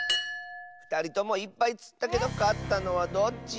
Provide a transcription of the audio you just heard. ふたりともいっぱいつったけどかったのはどっち？